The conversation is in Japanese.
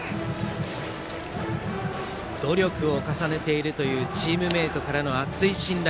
努力を重ねているというチームメートからの厚い信頼。